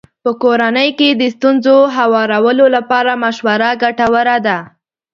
په کورنۍ کې د ستونزو هوارولو لپاره مشوره ګټوره ده.